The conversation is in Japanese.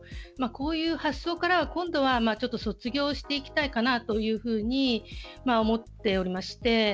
こういう発想からは今度は卒業していきたいかなと思っておりまして